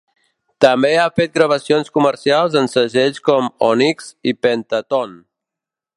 També ha fet gravacions comercials en segells com Onyx i Pentatone.